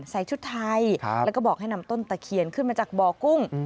ใส่ชุดไทยแล้วก็บอกให้นำต้นตะเคียนขึ้นมาจากบ่อกุ้ง